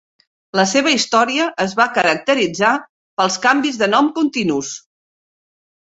La seva història es va caracteritzar pels canvis de nom continus.